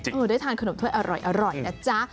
ได้ทานขนมถ้วยอร่อยนะจ๊ะ